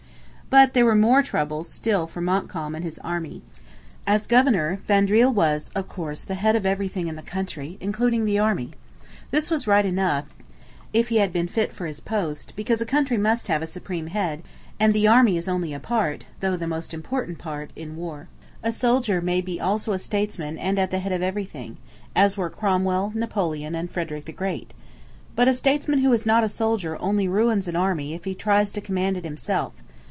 But there were more troubles still for Montcalm and his army. As governor, Vaudreuil was, of course, the head of everything in the country, including the army. This was right enough, if he had been fit for his post, because a country must have a supreme head, and the army is only a part, though the most important part, in war. A soldier may be also a statesman and at the head of everything, as were Cromwell, Napoleon, and Frederick the Great. But a statesman who is not a soldier only ruins an army if he tries to command it himself.